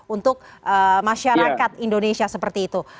untuk masyarakat indonesia seperti itu